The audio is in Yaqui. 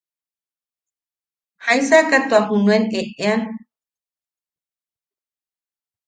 ¿Jaisaka tua junuen eʼean?